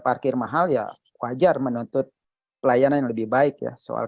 parkir mahal ya wajar menuntut pelayanan yang lebih baik ya soal